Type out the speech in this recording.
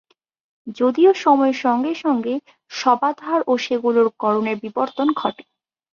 যদিও সময়ের সঙ্গে সঙ্গে শবাধার ও সেগুলির গড়নের বিবর্তন ঘটে।